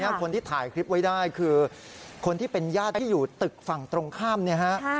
คนที่ถ่ายคลิปไว้ได้คือคนที่เป็นญาติที่อยู่ตึกฝั่งตรงข้ามเนี่ยฮะ